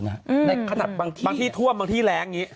ในขณะบางที่ท่วมบางที่แรงอย่างนี้